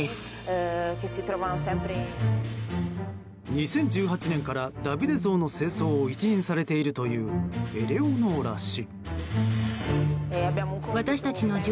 ２０１８年からダビデ像の清掃を一任されているというエレオノーラ氏。